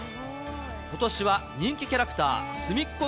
ことしは人気キャラクター、すみっコ